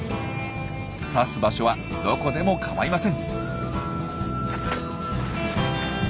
刺す場所はどこでもかまいません。